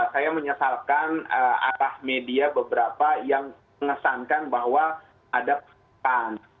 saya menyesalkan arah media beberapa yang mengesankan bahwa ada kesalahan